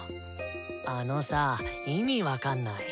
あのさあイミ分かんない。